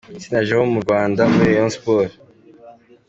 Sina Jérôme mu Rwanda, muri Rayon Sports.